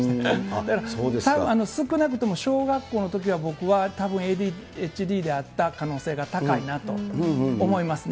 だから少なくとも小学校のときは僕はたぶんＡＤＨＤであった可能性が高いなと思いますね。